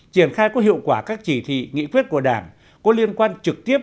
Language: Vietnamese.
triển khai có hiệu quả các chỉ thị nghị quyết của đảng có liên quan trực tiếp